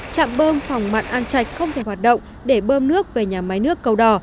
trạm bơm phòng mặn an trạch không thể hoạt động để bơm nước về nhà máy nước cầu đỏ